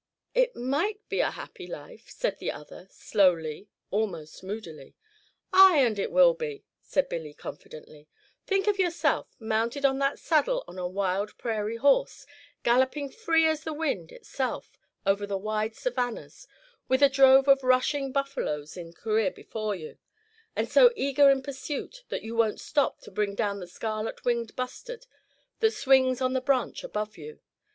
"It might be a happy life," said the other, slowly, almost moodily. "Ay, and it will be," said Billy, confidently. "Think of yourself, mounted on that saddle on a wild prairie horse, galloping free as the wind itself over the wide savannas, with a drove of rushing buffaloes in career before you, and so eager in pursuit that you won't stop to bring down the scarlet winged bustard that swings on the branch above you.